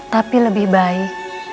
tapi lebih baik